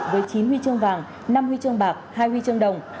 với chín huy chương vàng năm huy chương bạc hai huy chương đồng